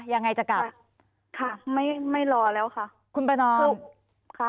ยังไงจะกลับค่ะไม่ไม่รอแล้วค่ะคุณประนอมค่ะ